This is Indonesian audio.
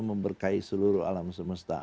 memberkahi seluruh alam semesta